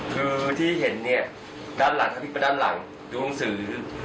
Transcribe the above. คือที่เห็นเนี่ยด้านหลังถ้าพลิกไปด้านหลังดูหนังสือ